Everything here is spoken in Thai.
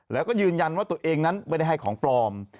แล้วก็ยืนยันว่าตัวเองนั้นไม่ได้ให้ของปลอม